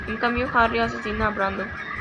En cambio, Harry asesina a Brandon.